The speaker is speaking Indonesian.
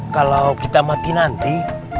kalau kita mati nanti